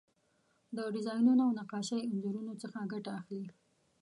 د ډیزاینونو او نقاشۍ انځورونو څخه ګټه اخلي.